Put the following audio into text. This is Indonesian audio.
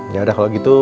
ya udah kalau gitu